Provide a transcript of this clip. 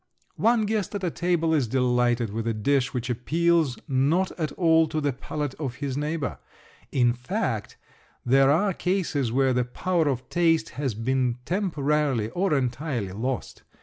One guest at table is delighted with a dish which appeals not at all to the palate of his neighbor. In fact there are cases where the power of taste has been temporarily or entirely lost.